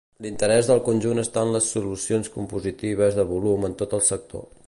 L'interès del conjunt està en les solucions compositives de volum en tot el sector.